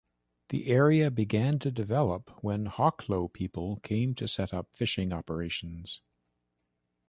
The area began to develop when Hoklo people came to set up fishing operations.